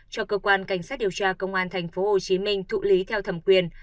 cho cơ quan cảnh sát điều tra công an tp hcm thụ lý theo thẩm quyền